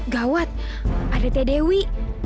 gawat ada t dewi